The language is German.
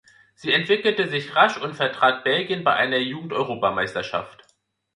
Sie entwickelte sich rasch und vertrat Belgien bei einer Jugendeuropameisterschaft.